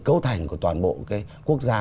cấu thành của toàn bộ quốc gia